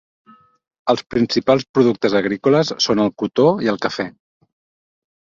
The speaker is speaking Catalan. Els principals productes agrícoles són el cotó i el cafè.